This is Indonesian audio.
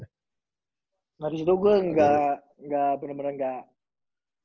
nah disitu gue gak bener bener gak